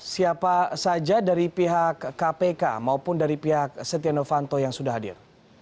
siapa saja dari pihak kpk maupun dari pihak setia novanto yang sudah hadir